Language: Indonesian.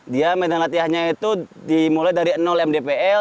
dia medan latihannya itu dimulai dari mdpl